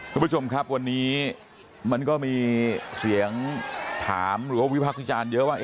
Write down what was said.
คุณผู้ชมครับวันนี้มันก็มีเสียงถามหรือว่าวิพากษ์วิจารณ์เยอะว่า